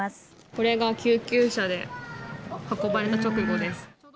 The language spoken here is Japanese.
これが救急車で運ばれた直後です。